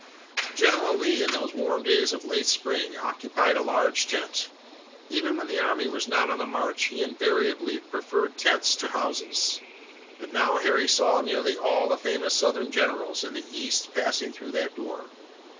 General Lee in these warm days of late spring occupied a large tent. Even when the army was not on the march he invariably preferred tents to houses, and now Harry saw nearly all the famous Southern generals in the east passing through that door.